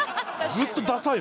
ずっとダサい。